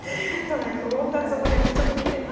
はい不穏なつぶやきちょっと見てみましょうね。